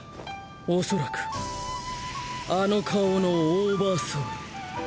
恐らくあの顔のオーバーソウル。